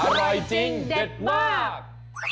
อร่อยจริงเด็ดมาก